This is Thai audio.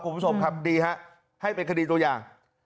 คุณผู้ชมครับดีฮะให้เป็นคดีตัวอย่าง